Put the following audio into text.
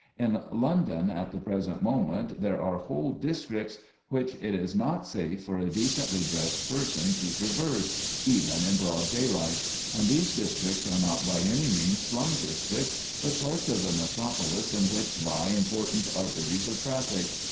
In London at the present moment there are whole districts which it is not safe for a decently dressed person to traverse even in broad daylight; and these districts are not by any means slum districts, but parts of the metropolis in which lie important arteries of traffic.